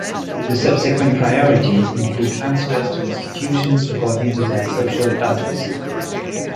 The subsequent priorities include transfers to institutions according to their social urgency.